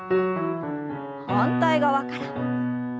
反対側から。